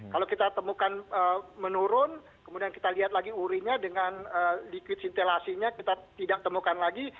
kalau kita temukan menurun kemudian kita lihat lagi urinnya dengan liquid sintelasinya kita tidak temukan lagi